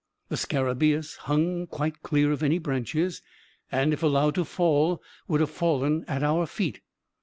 The scarabaeus hung quite clear of any branches, and, if allowed to fall, would have fallen at our feet.